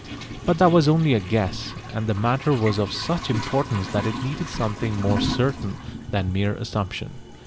But that was only a guess, and the matter was of such importance that it needed something more certain than mere assumption.